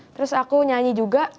terus aku nyanyi juga